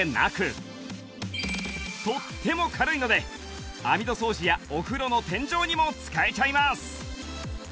とっても軽いので網戸掃除やお風呂の天井にも使えちゃいます